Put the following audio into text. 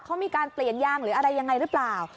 เขามีการเปลี่ยนยางหรืออะไรยังไงหรือเปล่า